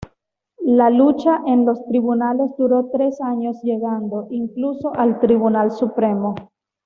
La lucha en los tribunales duró tres años llegando, incluso, al Tribunal Supremo.